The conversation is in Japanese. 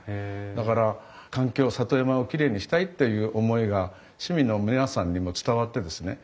だから環境里山をきれいにしたいっていう思いが市民の皆さんにも伝わってですね